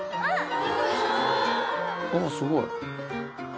あっすごい！